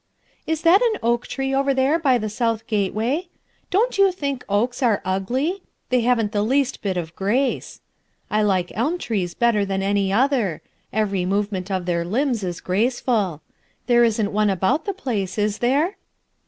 "Is that an oak tree over there by the south gateway? Don't you think oaks are ugly? They haven't the least bit of grace. I like elm trees better than any other; every movement 130 RUTH ERSKINE'S SON of their linibs is graceful. There isn't one about the place, is there?